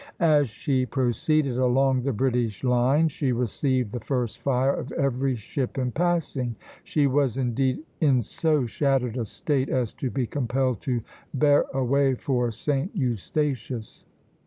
As she proceeded along the British line, she received the first fire of every ship in passing. She was indeed in so shattered a state as to be compelled to bear away for St. Eustatius."